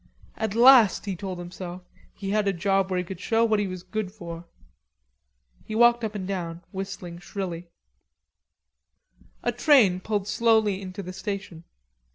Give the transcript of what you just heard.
At last, he told himself, he had a job where he could show what he was good for. He walked up and down whistling shrilly. A train pulled slowly into the station.